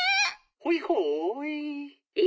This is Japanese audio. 「ほいほい！」。